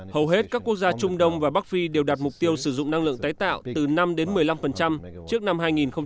hầu hết các quốc gia trung đông và bắc phi đều đạt mục tiêu sử dụng năng lượng tái tạo từ năm đến một mươi năm trước năm hai nghìn ba mươi